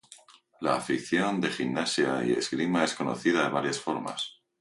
La afición de Gimnasia y Esgrima es conocida de varias formas.